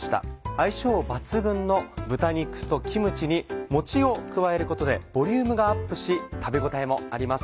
相性抜群の豚肉とキムチにもちを加えることでボリュームがアップし食べ応えもあります。